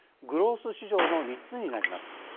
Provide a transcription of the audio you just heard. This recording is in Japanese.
グロース市場の３つになります。